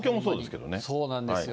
そうなんですよ。